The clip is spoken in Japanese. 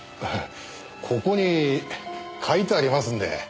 ここに書いてありますんで。